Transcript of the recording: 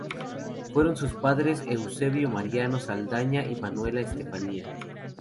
Fueron sus padres Eusebio Mariano Saldaña y Manuela Estefanía.